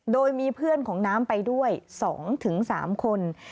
โดยมีเพื่อนของน้ำไปด้วย๒๓คน